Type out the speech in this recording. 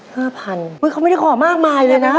เฮ้ยเขาไม่ได้ขอมากมายเลยนะ